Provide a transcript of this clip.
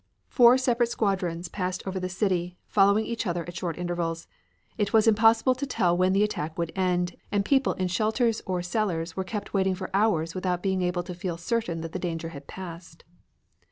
Four separate squadrons passed over the city, following each other at short intervals. It was impossible to tell when the attack would end, and people in shelters or cellars were kept waiting for hours without being able to feel certain that the danger had passed.